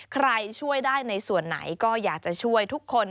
ใครช่วยได้ในส่วนไหนก็อยากจะช่วยทุกคน